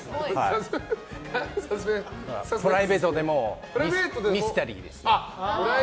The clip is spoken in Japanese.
プライベートでもミステリーです。